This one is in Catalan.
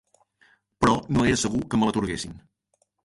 Però no era segur que me l'atorguessin